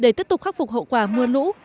để tiếp tục khắc phục hậu quả mưa lũ